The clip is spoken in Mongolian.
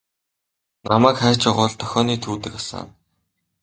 Намайг хайж байгаа бол дохионы түүдэг асаана.